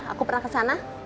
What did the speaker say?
aku pernah kesana